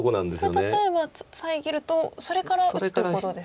これ例えば遮るとそれから打つところですか。